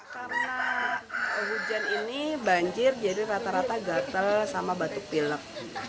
karena hujan ini banjir jadi rata rata gatel sama batuk pilek